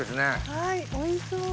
はいおいしそう。